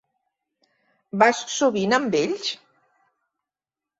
Vas sovint amb ells?